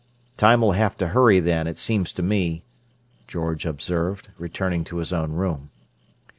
"Time'll have to hurry, then, it seems to me," George observed, returning to his own room.